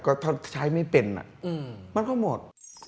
ก็ถ้าใช้ไม่เป็นมันก็หมด